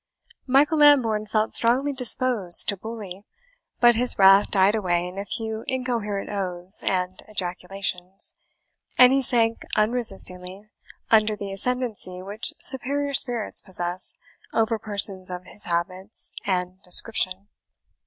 Michael Lambourne felt strongly disposed to bully; but his wrath died away in a few incoherent oaths and ejaculations, and he sank unresistingly under the ascendency which superior spirits possess over persons of his habits and description.